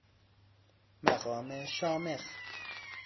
مقام شامخ